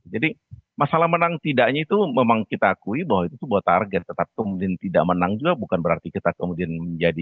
jadi masalah menang tidaknya itu memang kita akui bahwa itu sebuah target tetap kemudian tidak menang juga bukan berarti kita kemudian menjadi